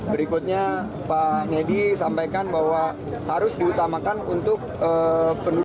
berikutnya pak nedi sampaikan bahwa harus diutamakan untuk penduduk